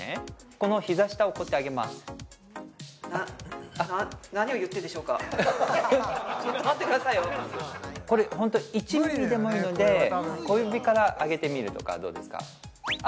この膝下をこうやって上げますなな何を言ってんでしょうかちょっと待ってくださいよこれホント１ミリでもいいので小指から上げてみるとかはどうですかあ